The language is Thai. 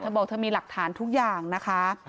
บอกเธอมีหลักฐานทุกอย่างนะคะ